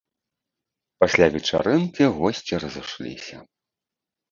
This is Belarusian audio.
Пасля вечарынкі госці разышліся.